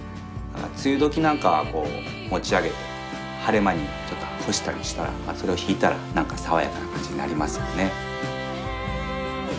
梅雨時なんかは持ち上げて晴れ間に干したりしたらそれを敷いたら何か爽やかな感じになりますよね。